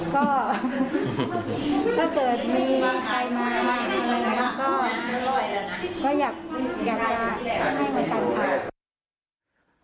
ก็ถ้าเกิดมีขายมากก็อยากได้